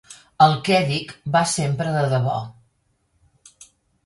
El què dic va sempre de debò.